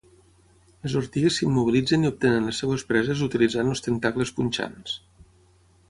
Les ortigues s'immobilitzen i obtenen les seves preses utilitzant els tentacles punxants.